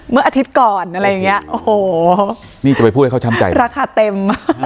เมื่ออาทิตย์ก่อนอะไรอย่างเงี้ยโอ้โหนี่จะไปพูดให้เขาช้ำใจราคาเต็ม